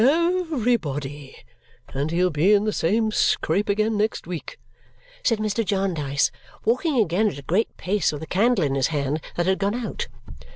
"Everybody! And he'll be in the same scrape again next week!" said Mr. Jarndyce, walking again at a great pace, with a candle in his hand that had gone out.